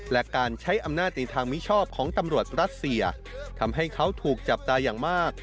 และการใช้อำนาจในทางมิชอบของตำรวจรัสเซียทำให้เขาถูกจับตาอย่างมาก